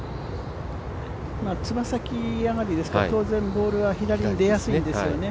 爪先上がりですから当然、ボールは左に出やすいですよね。